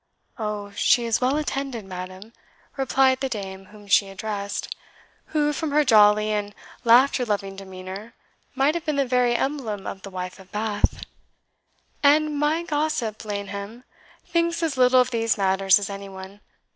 "Oh, she is well attended, madam," replied the dame whom she addressed, who, from her jolly and laughter loving demeanour, might have been the very emblem of the Wife of Bath; "and my gossip Laneham thinks as little of these matters as any one.